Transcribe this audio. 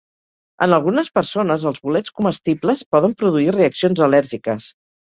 En algunes persones els bolets comestibles poden produir reaccions al·lèrgiques.